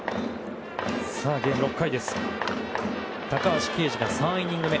ゲームは６回高橋奎二が３イニング目。